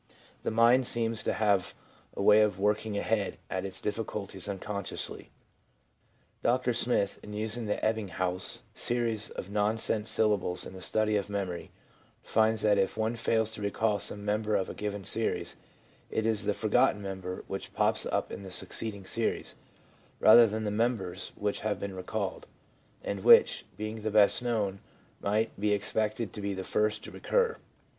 1 The mind seems to have a way of working ahead at its difficulties uncon sciously. Dr Smith, 2 in using the Ebbinghaus series of nonsense syllables in the study of memory, finds that if one fails to recall some member of a given series, it is the forgotten member which pops up in the succeeding series, rather than the members which had been recalled, and which, being the best known, might be expected to be the first to recur.